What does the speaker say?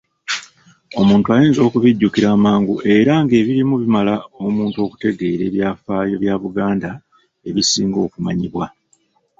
Omuntu ayinza okubijjukira amangu era ng'ebirimu bimala omuntu okutegeera ebyafaayo bya Buganda ebisinga okumanyibwa.